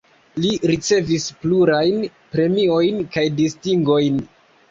Li ricevis plurajn premiojn kaj distingojn.